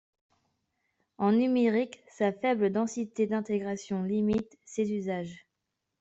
En numérique, sa faible densité d'intégration limite ses usages.